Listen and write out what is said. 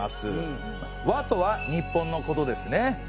委とは日本のことですね。